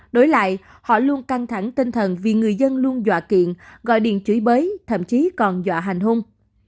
đối lại họ luôn căng thẳng tinh thần vì người dân luôn dọa kiện gọi điện chửi bới thậm chí còn dọa hành hung